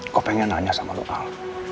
kok pengen nanya sama lo al